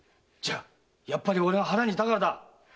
じゃあやっぱり俺が腹にいたからだ！